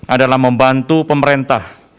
adalah membantu pemerintah